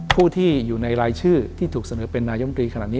ผู้ที่อยู่ในรายชื่อที่ถูกเสนอเป็นนายมตรีขนาดนี้